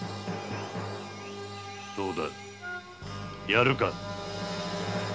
どうだやるか？